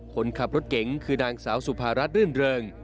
คนขับรถเก๋งคือนางสาวสุภารัฐรื่นเริง